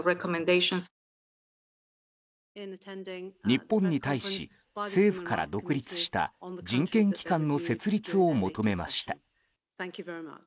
日本に対し、政府から独立した人権機関の設立を求めました。